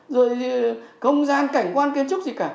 rồi không gian cảnh quan kiến trúc gì cả